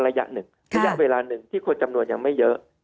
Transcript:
ระยะเวลาที่คนจำนวนยังไม่เยอะ